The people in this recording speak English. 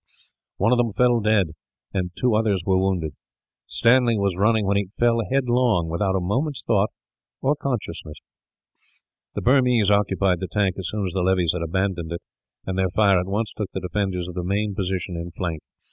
One of them fell dead, and two others were wounded. Stanley was running, when he fell headlong, without a moment's thought or consciousness. The Burmese occupied the tank as soon as the levies had abandoned it, and their fire at once took the defenders of the main position in flank.